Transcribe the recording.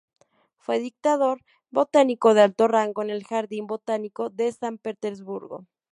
Fue director botánico de alto rango en el Jardín Botánico de San Petersburgo.